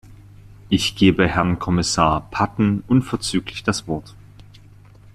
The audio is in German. Ich gebe Herrn Kommissar Patten unverzüglich das Wort.